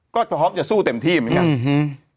ก็พร้อมจะสู้เต็มที่เหมือนกันอืม